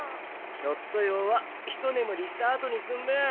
「ちょっと用」はひとねむりしたあとにすんべ。